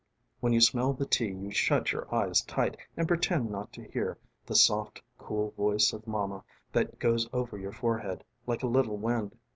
┬Ā┬ĀWhen you smell the tea ┬Ā┬Āyou shut your eyes tight ┬Ā┬Āand pretend not to hear ┬Ā┬Āthe soft, cool voice of mama ┬Ā┬Āthat goes over your forehead ┬Ā┬Ālike a little wind.